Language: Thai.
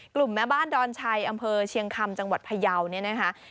กลุ่มแม้บ้านดอนชัยอำเภอเชียงคำจังหวัดไพรี่าว